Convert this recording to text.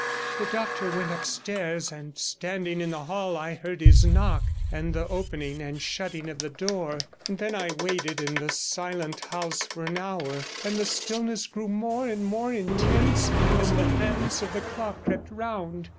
The doctor went upstairs, and standing in the hall I heard his knock, and the opening and shutting of the door; and then I waited in the silent house for an hour, and the stillness grew more and more intense as the hands of the clock crept round.